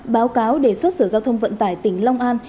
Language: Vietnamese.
báo cáo đề xuất sở giao thông vận tải tỉnh long an